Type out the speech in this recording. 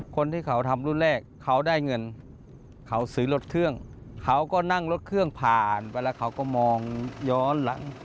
คนที่เขาทำรุ่นแรกเขาได้เงินเขาซื้อรถเครื่องเขาก็นั่งรถเครื่องผ่านไปแล้วเขาก็มองย้อนหลัง